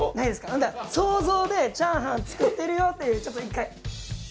ほんなら想像でチャーハン作ってるよっていうちょっと一回。